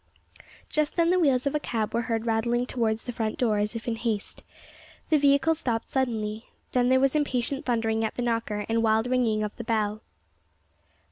Just then the wheels of a cab were heard rattling towards the front door, as if in haste. The vehicle stopped suddenly. Then there was impatient thundering at the knocker, and wild ringing of the bell.